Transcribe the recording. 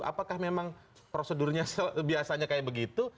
apakah memang prosedurnya biasanya kayak begitu